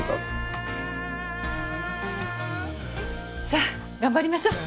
さあ頑張りましょう！